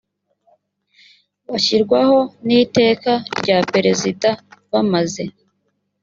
bashyirwaho n iteka rya perezida bamaze